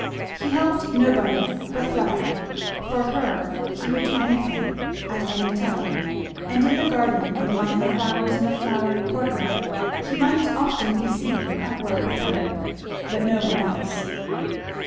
He helped nobody but Fleda. For her he would do anything, at any time; and in the garden and among her flowers in the flowery courtyard he might often be seen at work with her. But nowhere else.